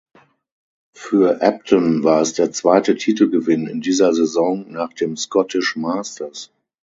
Für Ebdon war es der zweite Titelgewinn in dieser Saison nach dem Scottish Masters.